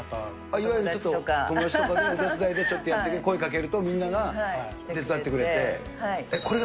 いわゆるちょっと友達とか、お手伝いでちょっと声かけると、みんなが手伝ってくれて。